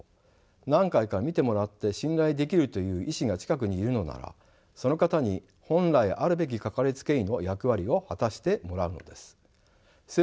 何回か診てもらって信頼できるという医師が近くにいるのならその方に本来あるべきかかりつけ医の役割を果たしてもらうのです。